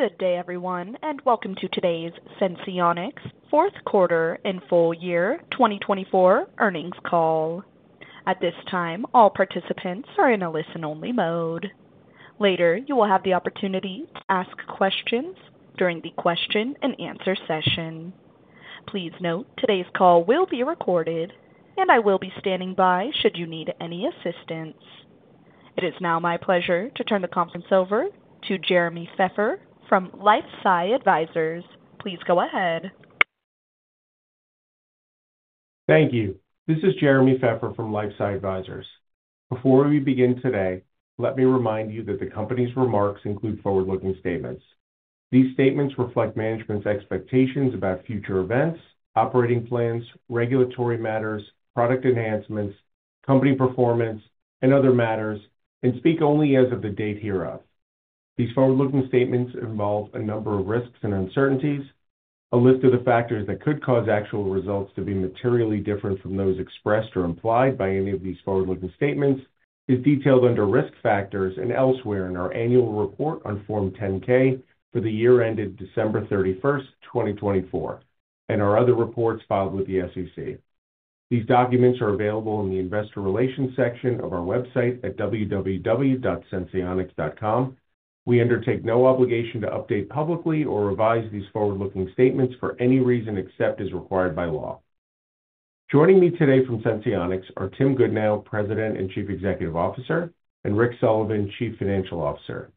Good day, everyone, and welcome to today's Senseonics Fourth quarter and Full-Year 2024 Earnings Call. At this time, all participants are in a listen-only mode. Later, you will have the opportunity to ask questions during the question-and-answer session. Please note today's call will be recorded, and I will be standing by should you need any assistance. It is now my pleasure to turn the conference over to Jeremy Feffer from LifeSci Advisors. Please go ahead. Thank you. This is Jeremy Feffer from LifeSci Advisors. Before we begin today, let me remind you that the company's remarks include forward-looking statements. These statements reflect management's expectations about future events, operating plans, regulatory matters, product enhancements, company performance, and other matters, and speak only as of the date hereof. These forward-looking statements involve a number of risks and uncertainties. A list of the factors that could cause actual results to be materially different from those expressed or implied by any of these forward-looking statements is detailed under risk factors and elsewhere in our annual report on Form 10-K for the year ended December 31, 2024, and our other reports filed with the SEC. These documents are available in the Investor Relations section of our website at www.senseonics.com. We undertake no obligation to update publicly or revise these forward-looking statements for any reason except as required by law. Joining me today from Senseonics are Tim Goodnow, President and Chief Executive Officer, and Rick Sullivan, Chief Financial Officer.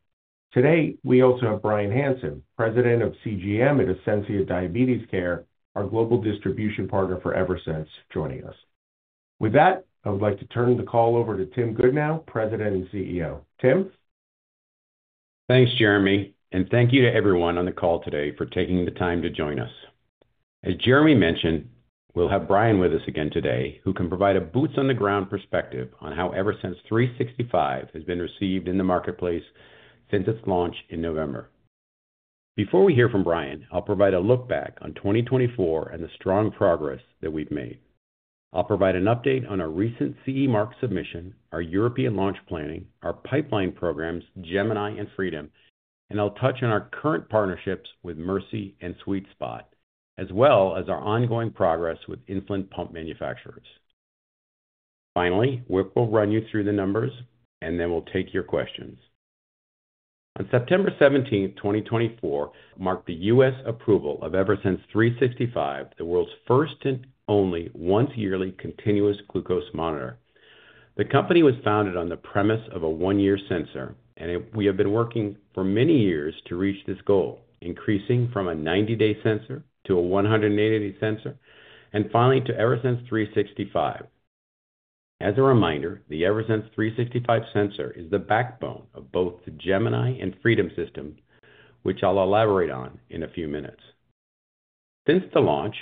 Today, we also have Brian Hansen, President of CGM at Ascensia Diabetes Care, our global distribution partner for Eversense, joining us. With that, I would like to turn the call over to Tim Goodnow, President and CEO. Tim? Thanks, Jeremy, and thank you to everyone on the call today for taking the time to join us. As Jeremy mentioned, we'll have Brian with us again today, who can provide a boots-on-the-ground perspective on how Eversense 365 has been received in the marketplace since its launch in November. Before we hear from Brian, I'll provide a look back on 2024 and the strong progress that we've made. I'll provide an update on our recent CE Mark submission, our European launch planning, our pipeline programs, Gemini and Freedom, and I'll touch on our current partnerships with Mercy Health and SweetSpot, as well as our ongoing progress with insulin pump manufacturers. Finally, Rick will run you through the numbers, and then we'll take your questions. On September 17, 2024, marked the U.S. approval of Eversense 365, the world's first and only once-yearly continuous glucose monitor. The company was founded on the premise of a one-year sensor, and we have been working for many years to reach this goal, increasing from a 90-day sensor to a 180-day sensor, and finally to Eversense 365. As a reminder, the Eversense 365 sensor is the backbone of both the Gemini and Freedom systems, which I'll elaborate on in a few minutes. Since the launch,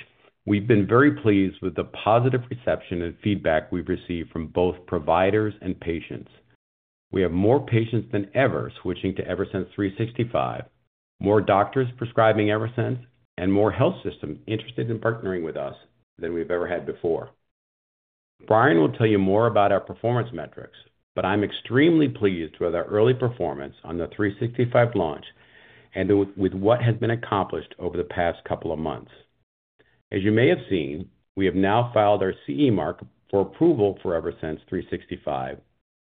we've been very pleased with the positive reception and feedback we've received from both providers and patients. We have more patients than ever switching to Eversense 365, more doctors prescribing Eversense, and more health systems interested in partnering with us than we've ever had before. Brian will tell you more about our performance metrics, but I'm extremely pleased with our early performance on the 365 launch and with what has been accomplished over the past couple of months. As you may have seen, we have now filed our CE Mark for approval for Eversense 365,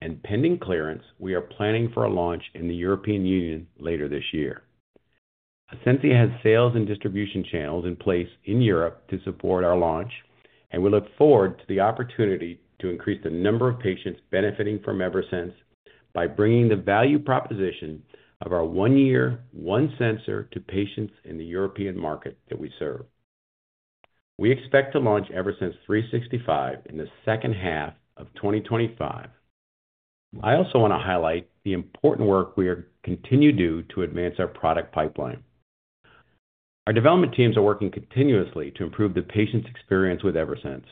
and pending clearance, we are planning for a launch in the European Union later this year. Ascensia has sales and distribution channels in place in Europe to support our launch, and we look forward to the opportunity to increase the number of patients benefiting from Eversense by bringing the value proposition of our one-year, one sensor to patients in the European market that we serve. We expect to launch Eversense 365 in the second half of 2025. I also want to highlight the important work we continue to do to advance our product pipeline. Our development teams are working continuously to improve the patient's experience with Eversense.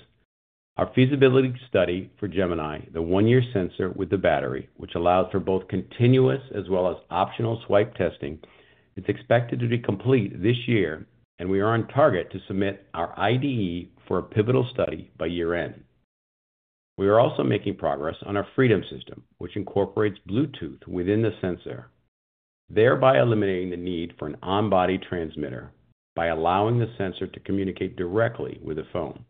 Our feasibility study for Gemini, the one-year sensor with the battery, which allows for both continuous as well as optional swipe testing, is expected to be complete this year, and we are on target to submit our IDE for a pivotal study by year-end. We are also making progress on our Freedom system, which incorporates Bluetooth within the sensor, thereby eliminating the need for an on-body transmitter by allowing the sensor to communicate directly with a phone.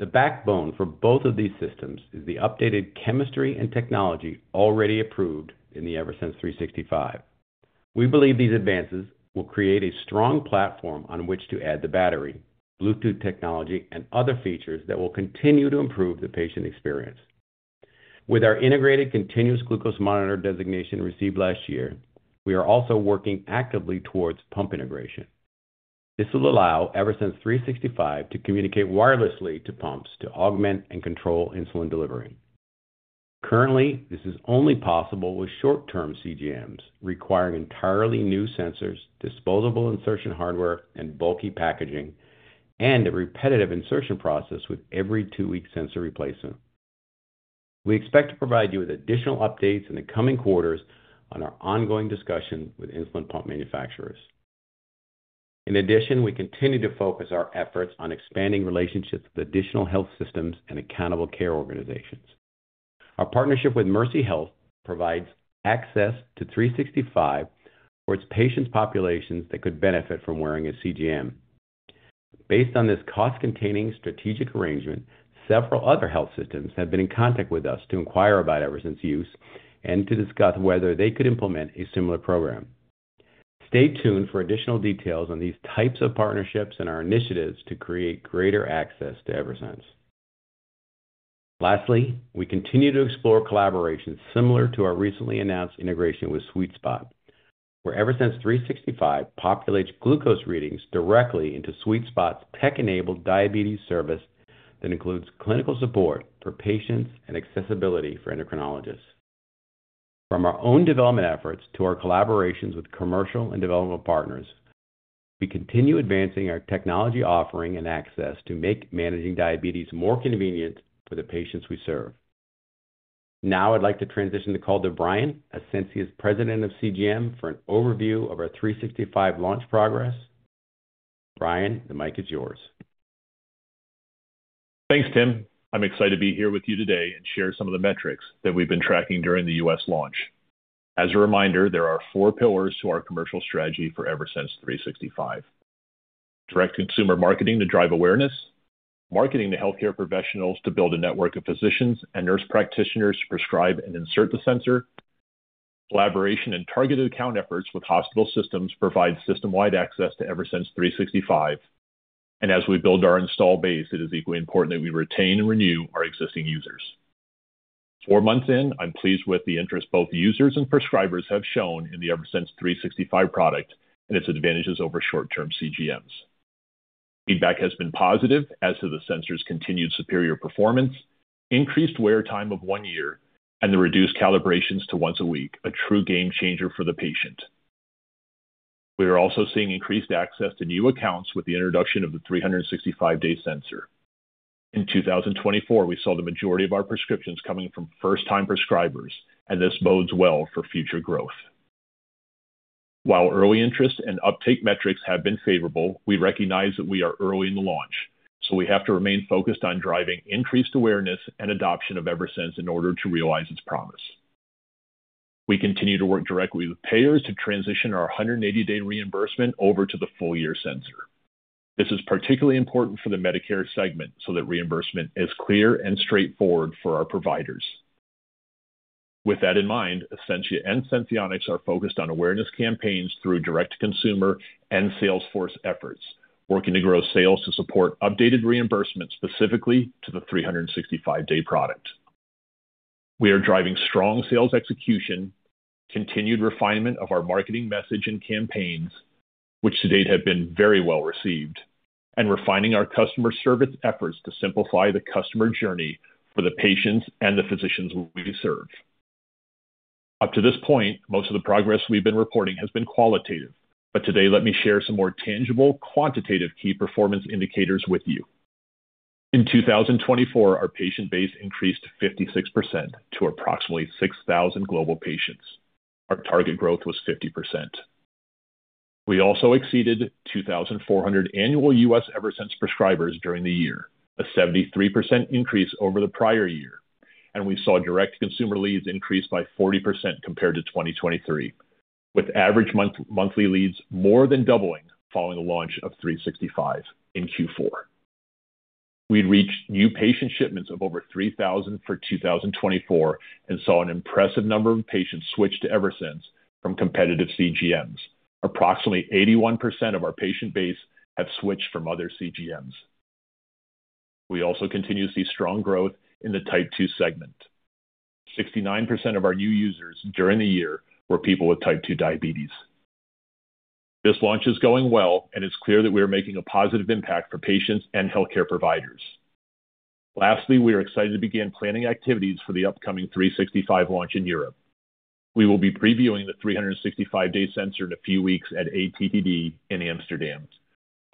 The backbone for both of these systems is the updated chemistry and technology already approved in the Eversense 365. We believe these advances will create a strong platform on which to add the battery, Bluetooth technology, and other features that will continue to improve the patient experience. With our integrated continuous glucose monitor designation received last year, we are also working actively towards pump integration. This will allow Eversense 365 to communicate wirelessly to pumps to augment and control insulin delivery. Currently, this is only possible with short-term CGMs requiring entirely new sensors, disposable insertion hardware, and bulky packaging, and a repetitive insertion process with every two-week sensor replacement. We expect to provide you with additional updates in the coming quarters on our ongoing discussion with insulin pump manufacturers. In addition, we continue to focus our efforts on expanding relationships with additional health systems and accountable care organizations. Our partnership with Mercy Health provides access to 365 for its patient populations that could benefit from wearing a CGM. Based on this cost-containing strategic arrangement, several other health systems have been in contact with us to inquire about Eversense use and to discuss whether they could implement a similar program. Stay tuned for additional details on these types of partnerships and our initiatives to create greater access to Eversense. Lastly, we continue to explore collaborations similar to our recently announced integration with SweetSpot, where Eversense 365 populates glucose readings directly into SweetSpot's tech-enabled diabetes service that includes clinical support for patients and accessibility for endocrinologists. From our own development efforts to our collaborations with commercial and development partners, we continue advancing our technology offering and access to make managing diabetes more convenient for the patients we serve. Now, I'd like to transition the call to Brian, Ascensia's President of CGM, for an overview of our 365 launch progress. Brian, the mic is yours. Thanks, Tim. I'm excited to be here with you today and share some of the metrics that we've been tracking during the U.S. launch. As a reminder, there are four pillars to our commercial strategy for Eversense 365: direct consumer marketing to drive awareness, marketing to healthcare professionals to build a network of physicians and nurse practitioners to prescribe and insert the sensor, collaboration and targeted account efforts with hospital systems to provide system-wide access to Eversense 365, and as we build our install base, it is equally important that we retain and renew our existing users. Four months in, I'm pleased with the interest both users and prescribers have shown in the Eversense 365 product and its advantages over short-term CGMs. Feedback has been positive as to the sensor's continued superior performance, increased wear time of one year, and the reduced calibrations to once a week, a true game changer for the patient. We are also seeing increased access to new accounts with the introduction of the 365-day sensor. In 2024, we saw the majority of our prescriptions coming from first-time prescribers, and this bodes well for future growth. While early interest and uptake metrics have been favorable, we recognize that we are early in the launch, so we have to remain focused on driving increased awareness and adoption of Eversense in order to realize its promise. We continue to work directly with payers to transition our 180-day reimbursement over to the full-year sensor. This is particularly important for the Medicare segment so that reimbursement is clear and straightforward for our providers. With that in mind, Ascensia and Senseonics are focused on awareness campaigns through direct-to-consumer and Sales force efforts, working to grow sales to support updated reimbursement specifically to the 365-day product. We are driving strong sales execution, continued refinement of our marketing message and campaigns, which to date have been very well received, and refining our customer service efforts to simplify the customer journey for the patients and the physicians we serve. Up to this point, most of the progress we've been reporting has been qualitative, but today, let me share some more tangible quantitative key performance indicators with you. In 2024, our patient base increased 56% to approximately 6,000 global patients. Our target growth was 50%. We also exceeded 2,400 annual U.S. Eversense prescribers during the year, a 73% increase over the prior year, and we saw direct consumer leads increase by 40% compared to 2023, with average monthly leads more than doubling following the launch of 365 in Q4. We reached new patient shipments of over 3,000 for 2024 and saw an impressive number of patients switch to Eversense from competitive CGMs. Approximately 81% of our patient base have switched from other CGMs. We also continue to see strong growth in the type 2 segment. 69% of our new users during the year were people with type 2 diabetes. This launch is going well, and it's clear that we are making a positive impact for patients and healthcare providers. Lastly, we are excited to begin planning activities for the upcoming 365 launch in Europe. We will be previewing the 365-day sensor in a few weeks at ATTD in Amsterdam.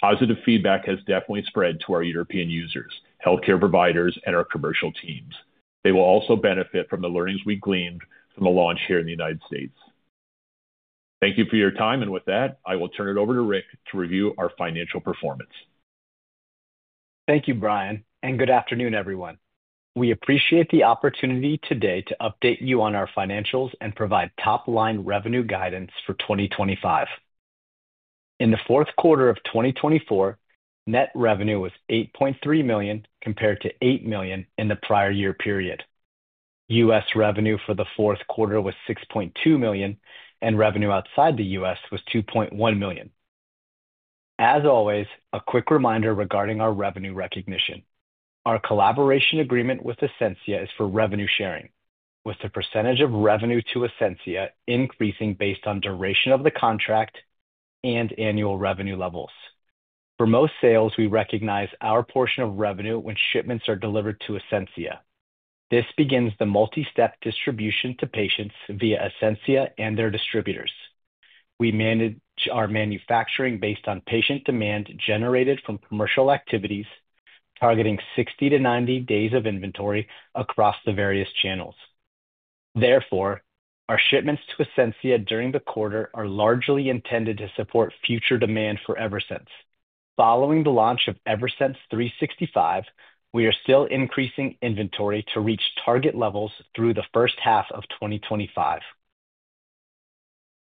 Positive feedback has definitely spread to our European users, healthcare providers, and our commercial teams. They will also benefit from the learnings we gleaned from the launch here in the United States. Thank you for your time, and with that, I will turn it over to Rick to review our financial performance. Thank you, Brian, and good afternoon, everyone. We appreciate the opportunity today to update you on our financials and provide top-line revenue guidance for 2025. In the fourth quarter of 2024, net revenue was $8.3 million compared to $8 million in the prior year period. U.S. revenue for the fourth quarter was $6.2 million, and revenue outside the U.S. was $2.1 million. As always, a quick reminder regarding our revenue recognition. Our collaboration agreement with Ascensia is for revenue sharing, with the percentage of revenue to Ascensia increasing based on duration of the contract and annual revenue levels. For most sales, we recognize our portion of revenue when shipments are delivered to Ascensia. This begins the multi-step distribution to patients via Ascensia and their distributors. We manage our manufacturing based on patient demand generated from commercial activities, targeting 60-90 days of inventory across the various channels. Therefore, our shipments to Ascensia during the quarter are largely intended to support future demand for Eversense. Following the launch of Eversense 365, we are still increasing inventory to reach target levels through the first half of 2025.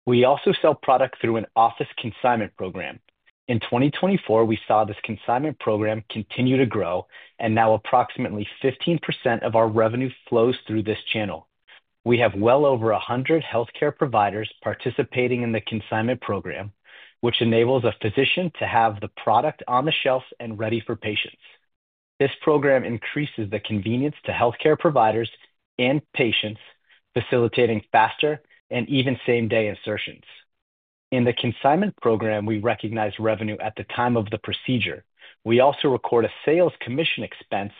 We also sell product through an office consignment program. In 2024, we saw this consignment program continue to grow, and now approximately 15% of our revenue flows through this channel. We have well over 100 healthcare providers participating in the consignment program, which enables a physician to have the product on the shelf and ready for patients. This program increases the convenience to healthcare providers and patients, facilitating faster and even same-day insertions. In the consignment program, we recognize revenue at the time of the procedure. We also record a sales commission expense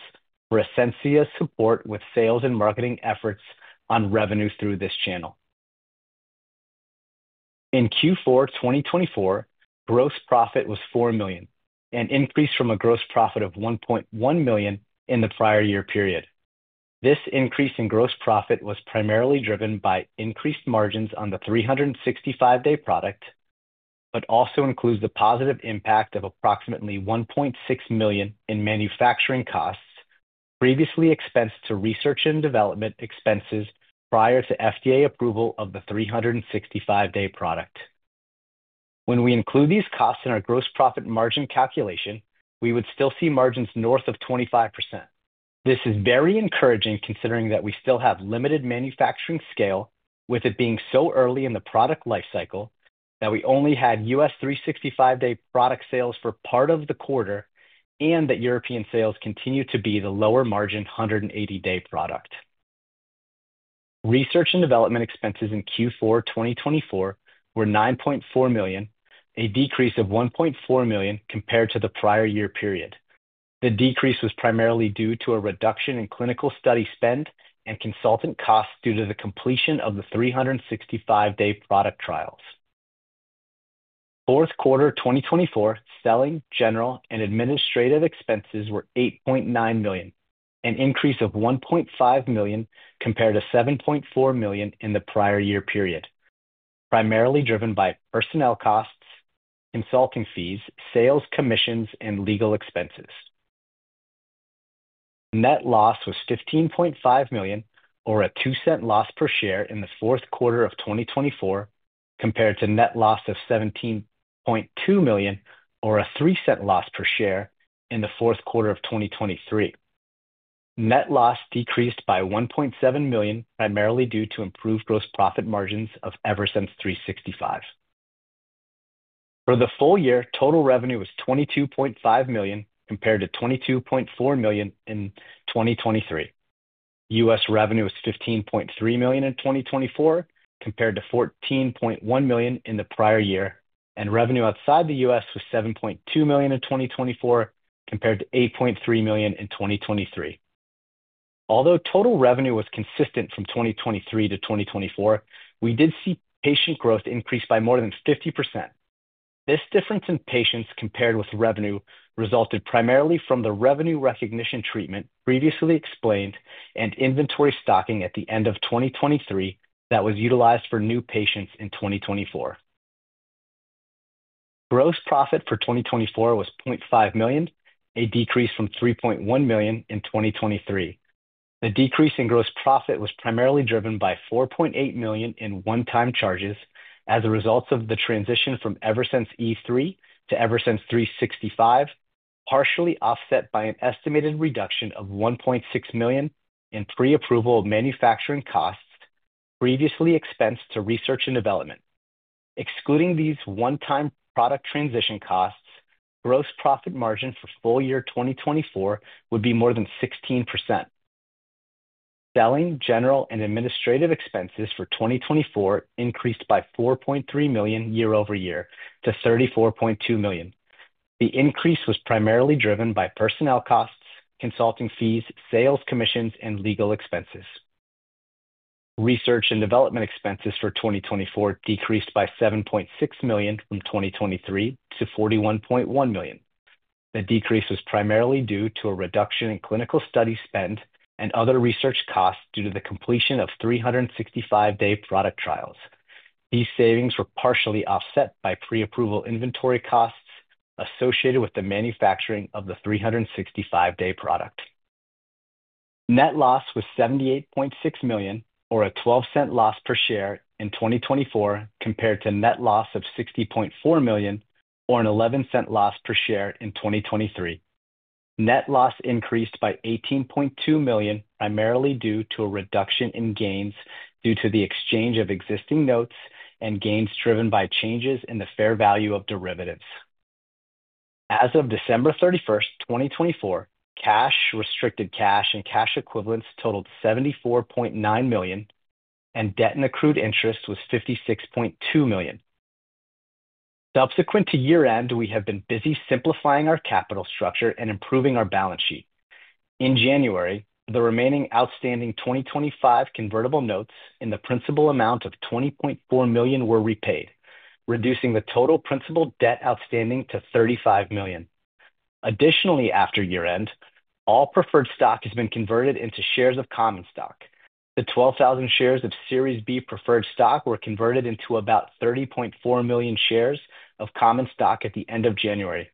for Ascensia's support with sales and marketing efforts on revenue through this channel. In Q4 2024, gross profit was $4 million, an increase from a gross profit of $1.1 million in the prior year period. This increase in gross profit was primarily driven by increased margins on the 365-day product, but also includes the positive impact of approximately $1.6 million in manufacturing costs previously expensed to research and development expenses prior to FDA approval of the 365-day product. When we include these costs in our gross profit margin calculation, we would still see margins north of 25%. This is very encouraging considering that we still have limited manufacturing scale, with it being so early in the product lifecycle that we only had U.S. 365-day product sales for part of the quarter and that European sales continue to be the lower-margin 180-day product. Research and development expenses in Q4 2024 were $9.4 million, a decrease of $1.4 million compared to the prior year period. The decrease was primarily due to a reduction in clinical study spend and consultant costs due to the completion of the 365-day product trials. Fourth quarter 2024, selling, general, and administrative expenses were $8.9 million, an increase of $1.5 million compared to $7.4 million in the prior year period, primarily driven by personnel costs, consulting fees, sales commissions, and legal expenses. Net loss was $15.5 million, or a $0.02 loss per share in the fourth quarter of 2024, compared to net loss of $17.2 million, or a $0.03 loss per share in the fourth quarter of 2023. Net loss decreased by $1.7 million, primarily due to improved gross profit margins of Eversense 365. For the full year, total revenue was $22.5 million compared to $22.4 million in 2023. U.S. revenue was $15.3 million in 2024, compared to $14.1 million in the prior year, and revenue outside the U.S. was $7.2 million in 2024, compared to $8.3 million in 2023. Although total revenue was consistent from 2023 to 2024, we did see patient growth increase by more than 50%. This difference in patients compared with revenue resulted primarily from the revenue recognition treatment previously explained and inventory stocking at the end of 2023 that was utilized for new patients in 2024. Gross profit for 2024 was $0.5 million, a decrease from $3.1 million in 2023. The decrease in gross profit was primarily driven by $4.8 million in one-time charges as a result of the transition from Eversense E3 to Eversense 365, partially offset by an estimated reduction of $1.6 million in pre-approval of manufacturing costs previously expensed to research and development. Excluding these one-time product transition costs, gross profit margin for full year 2024 would be more than 16%. Selling, general, and administrative expenses for 2024 increased by $4.3 million year-over-year to $34.2 million. The increase was primarily driven by personnel costs, consulting fees, sales commissions, and legal expenses. Research and development expenses for 2024 decreased by $7.6 million from 2023 to $41.1 million. The decrease was primarily due to a reduction in clinical study spend and other research costs due to the completion of 365-day product trials. These savings were partially offset by pre-approval inventory costs associated with the manufacturing of the 365-day product. Net loss was $78.6 million, or a $0.12 loss per share in 2024, compared to net loss of $60.4 million, or an $0.11 loss per share in 2023. Net loss increased by $18.2 million, primarily due to a reduction in gains due to the exchange of existing notes and gains driven by changes in the fair value of derivatives. As of December 31, 2024, cash, restricted cash, and cash equivalents totaled $74.9 million, and debt and accrued interest was $56.2 million. Subsequent to year-end, we have been busy simplifying our capital structure and improving our balance sheet. In January, the remaining outstanding 2025 convertible notes in the principal amount of $20.4 million were repaid, reducing the total principal debt outstanding to $35 million. Additionally, after year-end, all preferred stock has been converted into shares of common stock. The 12,000 shares of Series B preferred stock were converted into about 30.4 million shares of common stock at the end of January.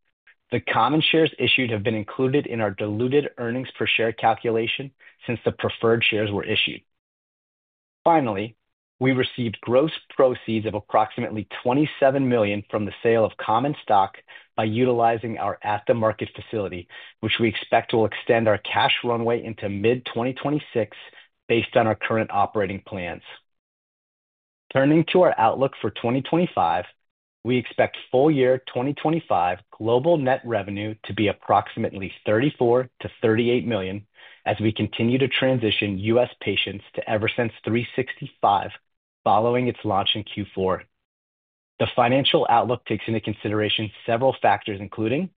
The common shares issued have been included in our diluted earnings per share calculation since the preferred shares were issued. Finally, we received gross proceeds of approximately $27 million from the sale of common stock by utilizing our at-the-market facility, which we expect will extend our cash runway into mid-2026 based on our current operating plans. Turning to our outlook for 2025, we expect full year 2025 global net revenue to be approximately $34 million-$38 million as we continue to transition U.S. patients to Eversense 365 following its launch in Q4. The financial outlook takes into consideration several factors, including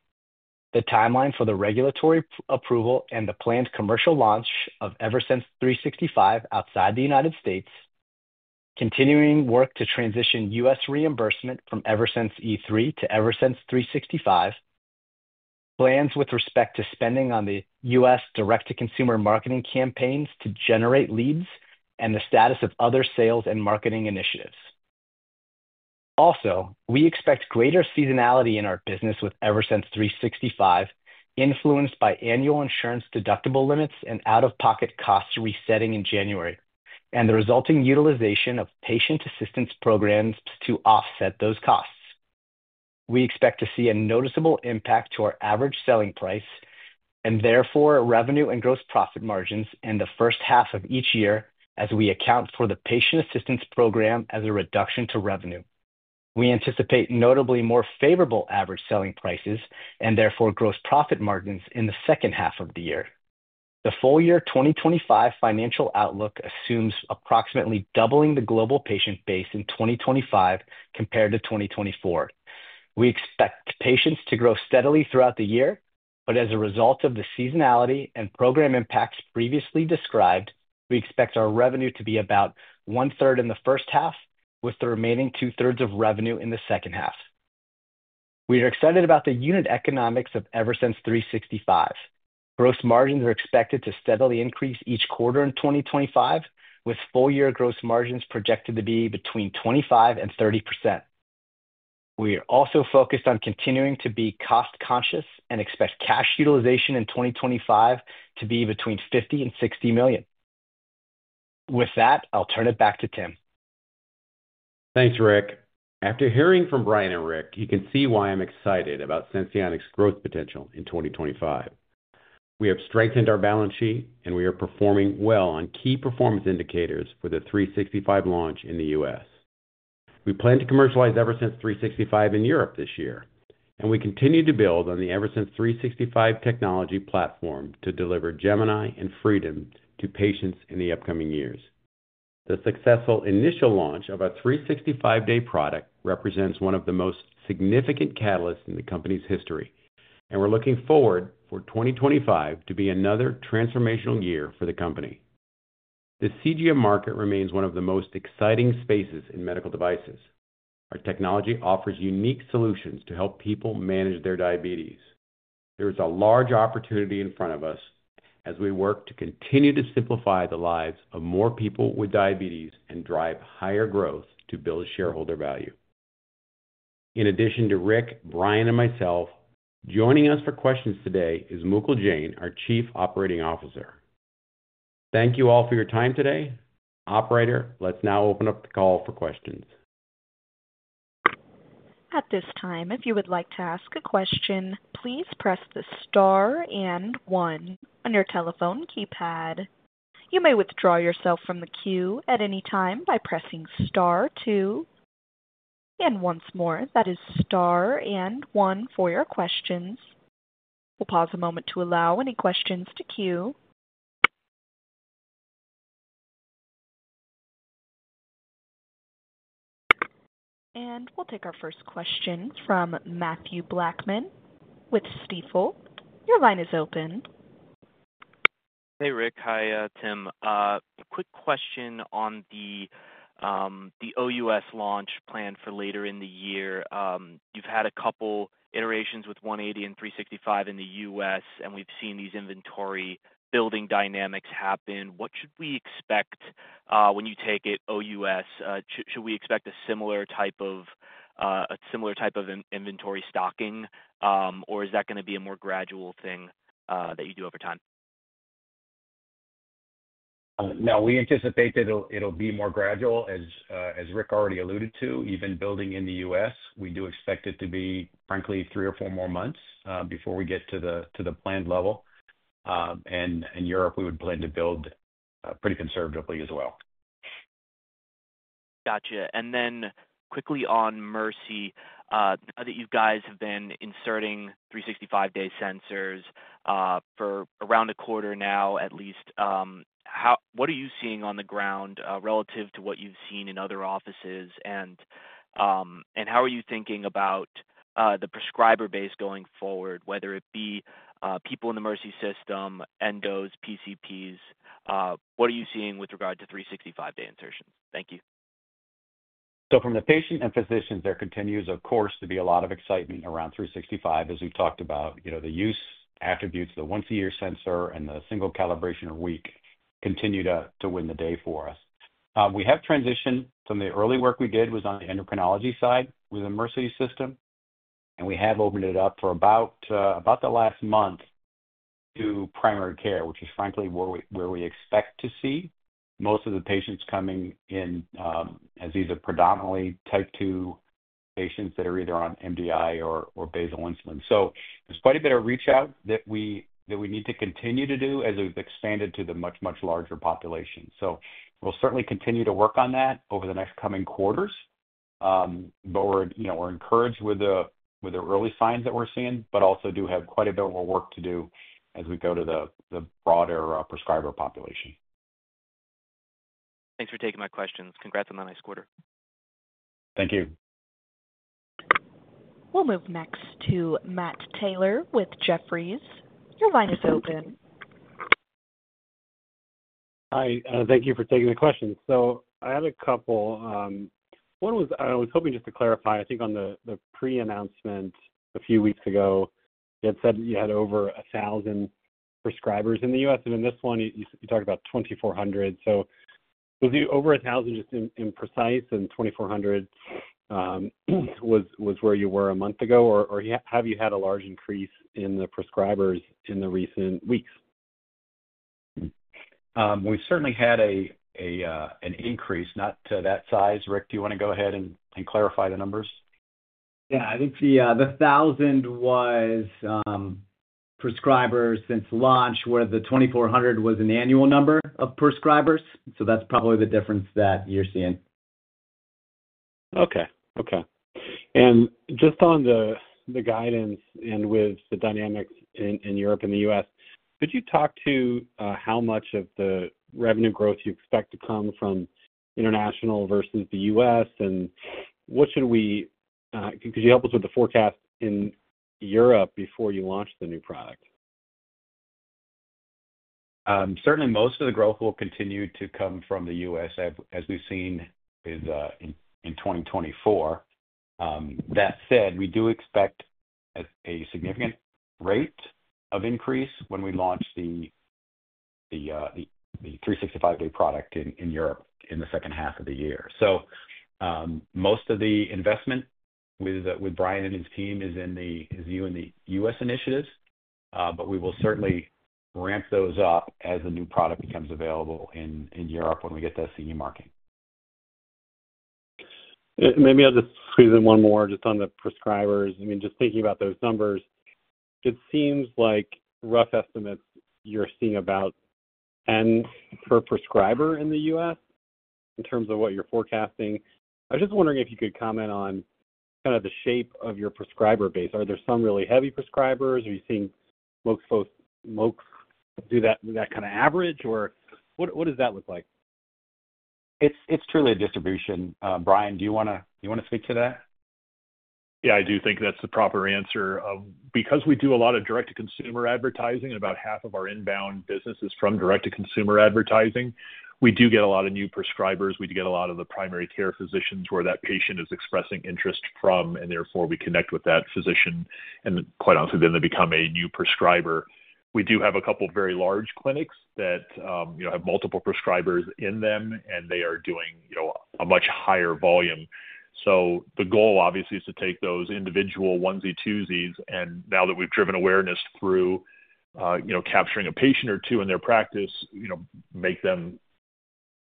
the timeline for the regulatory approval and the planned commercial launch of Eversense 365 outside the United States, continuing work to transition U.S. reimbursement from Eversense E3 to Eversense 365, plans with respect to spending on the U.S. direct-to-consumer marketing campaigns to generate leads, and the status of other sales and marketing initiatives. Also, we expect greater seasonality in our business with Eversense 365, influenced by annual insurance deductible limits and out-of-pocket costs resetting in January, and the resulting utilization of patient assistance programs to offset those costs. We expect to see a noticeable impact to our average selling price and therefore revenue and gross profit margins in the first half of each year as we account for the patient assistance program as a reduction to revenue. We anticipate notably more favorable average selling prices and therefore gross profit margins in the second half of the year. The full year 2025 financial outlook assumes approximately doubling the global patient base in 2025 compared to 2024. We expect patients to grow steadily throughout the year, but as a result of the seasonality and program impacts previously described, we expect our revenue to be about one-third in the first half, with the remaining two-thirds of revenue in the second half. We are excited about the unit economics of Eversense 365. Gross margins are expected to steadily increase each quarter in 2025, with full year gross margins projected to be between 25%-30%. We are also focused on continuing to be cost-conscious and expect cash utilization in 2025 to be between $50 million-$60 million. With that, I'll turn it back to Tim. Thanks, Rick. After hearing from Brian and Rick, you can see why I'm excited about Senseonics' growth potential in 2025. We have strengthened our balance sheet, and we are performing well on key performance indicators for the 365 launch in the U.S. We plan to commercialize Eversense 365 in Europe this year, and we continue to build on the Eversense 365 technology platform to deliver Gemini and Freedom to patients in the upcoming years. The successful initial launch of a 365-day product represents one of the most significant catalysts in the company's history, and we're looking forward for 2025 to be another transformational year for the company. The CGM market remains one of the most exciting spaces in medical devices. Our technology offers unique solutions to help people manage their diabetes. There is a large opportunity in front of us as we work to continue to simplify the lives of more people with diabetes and drive higher growth to build shareholder value. In addition to Rick, Brian, and myself, joining us for questions today is Mukul Jain, our Chief Operating Officer. Thank you all for your time today. Operator, let's now open up the call for questions. At this time, if you would like to ask a question, please press the star and one on your telephone keypad. You may withdraw yourself from the queue at any time by pressing star two. Once more, that is star and one for your questions. We'll pause a moment to allow any questions to queue. We'll take our first question from Mathew Blackman with Stifel. Your line is open. Hey, Rick. Hi, Tim. A quick question on the OUS launch planned for later in the year. You've had a couple iterations with 180 and 365 in the U.S., and we've seen these inventory building dynamics happen. What should we expect when you take it OUS? Should we expect a similar type of inventory stocking, or is that going to be a more gradual thing that you do over time? Now, we anticipate that it'll be more gradual, as Rick already alluded to, even building in the U.S. We do expect it to be, frankly, three or four more months before we get to the planned level. In Europe, we would plan to build pretty conservatively as well. Gotcha. Quickly on Mercy, I know that you guys have been inserting 365-day sensors for around a quarter now at least. What are you seeing on the ground relative to what you've seen in other offices? How are you thinking about the prescriber base going forward, whether it be people in the Mercy system, endos, PCPs? What are you seeing with regard to 365-day insertions? Thank you. From the patient and physicians, there continues, of course, to be a lot of excitement around 365, as we've talked about. The use attributes, the once-a-year sensor and the single calibration a week, continue to win the day for us. We have transitioned from the early work we did on the endocrinology side with the Mercy system, and we have opened it up for about the last month to primary care, which is frankly where we expect to see most of the patients coming in as these are predominantly type 2 patients that are either on MDI or basal insulin. There is quite a bit of reach-out that we need to continue to do as we've expanded to the much, much larger population. We will certainly continue to work on that over the next coming quarters. We are encouraged with the early signs that we are seeing, but also do have quite a bit more work to do as we go to the broader prescriber population. Thanks for taking my questions. Congrats on the nice quarter. Thank you. We'll move next to Matt Taylor with Jefferies. Your line is open. Hi. Thank you for taking the question. I had a couple. One was I was hoping just to clarify, I think on the pre-announcement a few weeks ago, you had said you had over 1,000 prescribers in the U.S. In this one, you talked about 2,400. Was it over 1,000 just in precise and 2,400 was where you were a month ago? Or have you had a large increase in the prescribers in the recent weeks? We've certainly had an increase, not to that size. Rick, do you want to go ahead and clarify the numbers? Yeah. I think the 1,000 prescribers since launch where the 2,400 was an annual number of prescribers. That is probably the difference that you're seeing. Okay. Okay. Just on the guidance and with the dynamics in Europe and the U.S., could you talk to how much of the revenue growth you expect to come from international versus the U.S.? What should we, could you help us with the forecast in Europe before you launch the new product? Certainly, most of the growth will continue to come from the U.S., as we've seen in 2024. That said, we do expect a significant rate of increase when we launch the 365-day product in Europe in the second half of the year. Most of the investment with Brian and his team is in the U.S. initiatives, but we will certainly ramp those up as the new product becomes available in Europe when we get that CE marking. Maybe I'll just squeeze in one more just on the prescribers. I mean, just thinking about those numbers, it seems like rough estimates you're seeing about 10 per prescriber in the U.S. in terms of what you're forecasting. I was just wondering if you could comment on kind of the shape of your prescriber base. Are there some really heavy prescribers? Are you seeing folks do that kind of average? Or what does that look like? It's truly a distribution. Brian, do you want to speak to that? Yeah, I do think that's the proper answer. Because we do a lot of direct-to-consumer advertising, and about half of our inbound business is from direct-to-consumer advertising, we do get a lot of new prescribers. We do get a lot of the primary care physicians where that patient is expressing interest from, and therefore we connect with that physician. Quite honestly, then they become a new prescriber. We do have a couple of very large clinics that have multiple prescribers in them, and they are doing a much higher volume. The goal, obviously, is to take those individual onesies, twosies, and now that we've driven awareness through capturing a patient or two in their practice, make them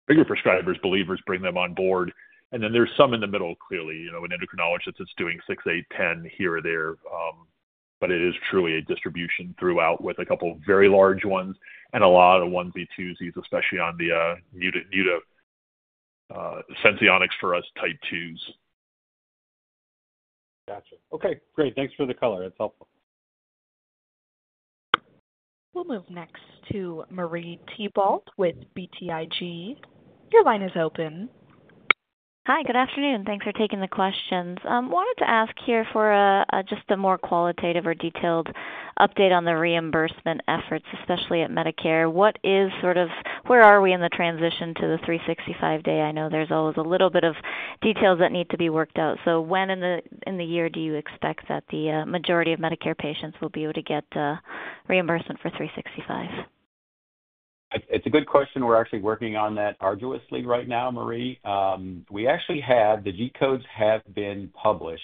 bigger prescribers, believers, bring them on board. There are some in the middle, clearly, an endocrinologist that's doing six, eight, 10 here or there. It is truly a distribution throughout with a couple of very large ones and a lot of onesies, twosies, especially on the new to Senseonics for us type 2s. Gotcha. Okay. Great. Thanks for the color. That's helpful. We'll move next to Marie Thibault with BTIG. Your line is open. Hi. Good afternoon. Thanks for taking the questions. Wanted to ask here for just a more qualitative or detailed update on the reimbursement efforts, especially at Medicare. What is sort of where are we in the transition to the 365-day? I know there's always a little bit of details that need to be worked out. When in the year do you expect that the majority of Medicare patients will be able to get reimbursement for 365? It's a good question. We're actually working on that arduously right now, Marie. We actually have the G codes have been published.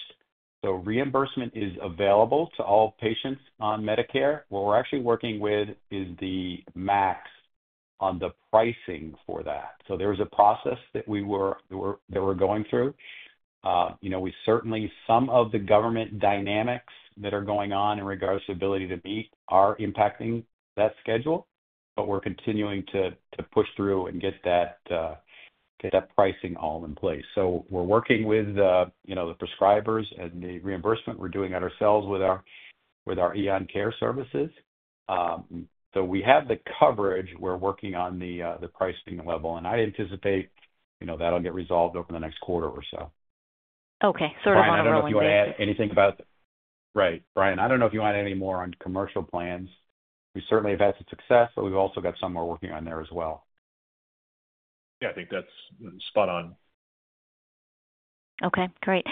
Reimbursement is available to all patients on Medicare. What we're actually working with is the max on the pricing for that. There was a process that we were going through. Certainly some of the government dynamics that are going on in regards to ability to meet are impacting that schedule, but we're continuing to push through and get that pricing all in place. We're working with the prescribers and the reimbursement. We're doing it ourselves with our Eon Care Services. We have the coverage. We're working on the pricing level. I anticipate that'll get resolved over the next quarter or so. Okay. Sort of on a more detailed basis. I don't know if you want to add anything about right. Brian, I don't know if you want any more on commercial plans. We certainly have had some success, but we've also got some more working on there as well. Yeah. I think that's spot on. Okay. Great.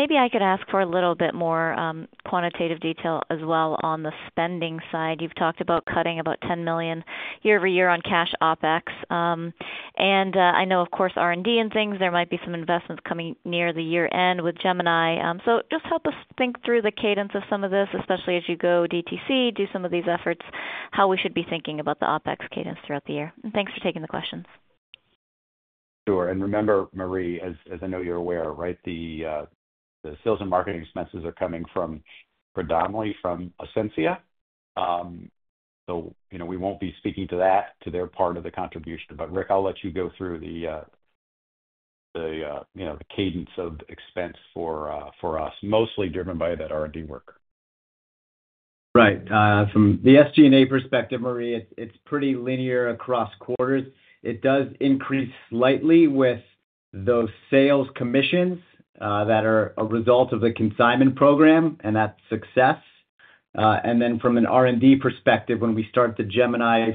Maybe I could ask for a little bit more quantitative detail as well on the spending side. You've talked about cutting about $10 million year over year on cash OpEx. I know, of course, R&D and things, there might be some investments coming near the year end with Gemini. Just help us think through the cadence of some of this, especially as you go DTC, do some of these efforts, how we should be thinking about the OpEx cadence throughout the year. Thanks for taking the questions. Sure. And remember, Marie, as I know you're aware, right, the sales and marketing expenses are coming predominantly from Ascensia. So we won't be speaking to that, to their part of the contribution. But Rick, I'll let you go through the cadence of expense for us, mostly driven by that R&D work. Right. From the SG&A perspective, Marie, it's pretty linear across quarters. It does increase slightly with those sales commissions that are a result of the consignment program and that success. From an R&D perspective, when we start the Gemini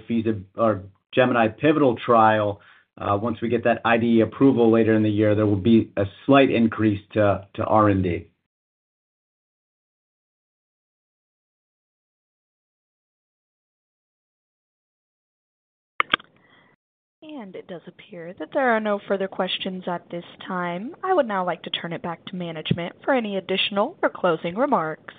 Pivotal trial, once we get that IDE approval later in the year, there will be a slight increase to R&D. It does appear that there are no further questions at this time. I would now like to turn it back to management for any additional or closing remarks.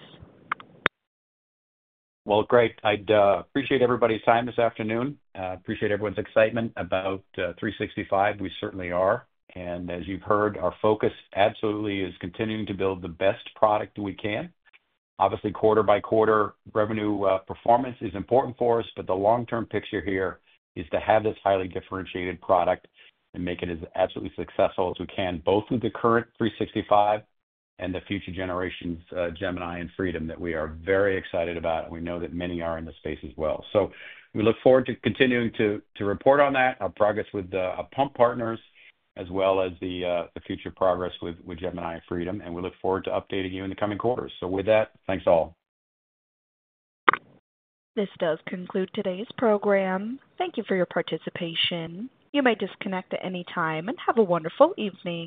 I appreciate everybody's time this afternoon. Appreciate everyone's excitement about 365. We certainly are. As you've heard, our focus absolutely is continuing to build the best product we can. Obviously, quarter by quarter revenue performance is important for us, but the long-term picture here is to have this highly differentiated product and make it as absolutely successful as we can, both with the current 365 and the future generations Gemini and Freedom that we are very excited about. We know that many are in the space as well. We look forward to continuing to report on that, our progress with Pump Partners, as well as the future progress with Gemini and Freedom. We look forward to updating you in the coming quarters. With that, thanks all. This does conclude today's program. Thank you for your participation. You may disconnect at any time and have a wonderful evening.